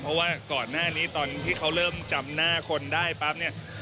เพราะว่าก่อนหน้านี้ตอนที่เขาเริ่มจำหน้าคนได้ปั๊บเนี่ย